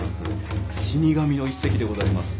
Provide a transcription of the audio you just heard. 「死神」の一席でございます。